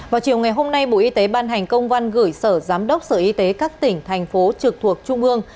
vào chiều ngày hôm nay bộ y tế ban hành công văn gửi sở giám đốc sở y tế các tỉnh thành phố trực thuộc trung ương